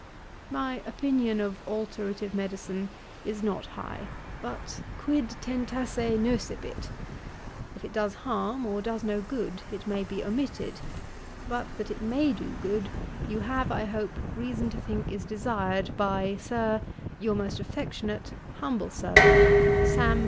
'My opinion of alterative medicine is not high, but quid tentasse nocebit? if it does harm, or does no good, it may be omitted; but that it may do good, you have, I hope, reason to think is desired by, 'Sir, your most affectionate, Humble servant, SAM.